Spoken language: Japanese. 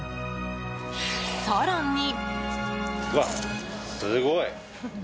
更に。